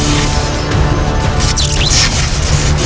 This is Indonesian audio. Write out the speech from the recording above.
lau seta kau ikuti dia